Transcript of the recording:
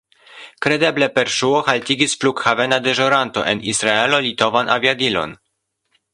Kredeble per ŝuo haltigis flughavena deĵoranto en Israelo litovan aviadilon.